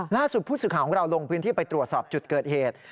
ล่าสุดผู้สื่อข่าวของเราลงพื้นที่ไปตรวจสอบจุดเกิดเหตุ